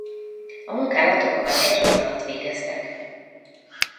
A munkálatokkal egy hét alatt végeztek.